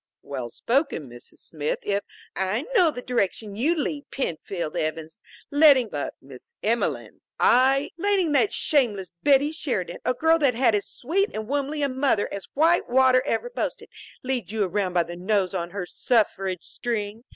"Well spoken, Mrs. Smith, if " "I know the direction you lean, Penfield Evans, letting " "But, Miss Emelene, I " "Letting that shameless Betty Sheridan, a girl that had as sweet and womanly a mother as Whitewater ever boasted, lead you around by the nose on her suffrage string.